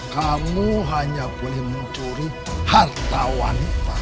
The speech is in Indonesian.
kamu hanya boleh mencuri harta wanita